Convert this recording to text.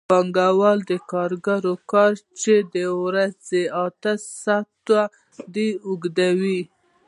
پانګوال د کارګر کار چې د ورځې اته ساعته دی اوږدوي